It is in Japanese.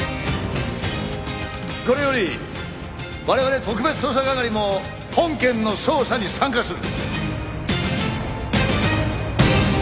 これより我々特別捜査係も本件の捜査に参加する！